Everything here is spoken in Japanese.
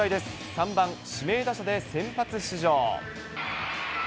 ３番指名打者で先発出場。